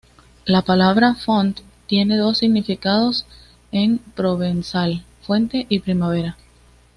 La palabra "font" tiene dos significados en provenzal, "fuente" y "primavera".